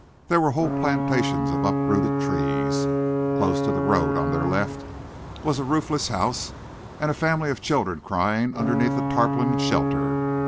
There were whole plantations of uprooted trees. Close to the road, on their left, was a roofless house, and a family of children crying underneath a tarpaulin shelter.